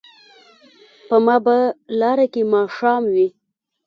په ما به لاره کې ماښام وي